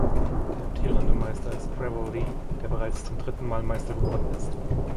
Der amtierende Meister ist Trevor Lee, der bereits zum dritten Mal Meister geworden ist.